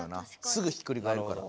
すぐひっくり返るから。